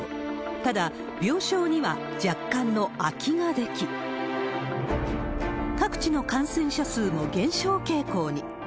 ただ、病床には若干の空きが出来、各地の感染者数も減少傾向に。